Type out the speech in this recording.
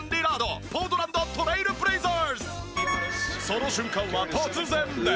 その瞬間は突然です！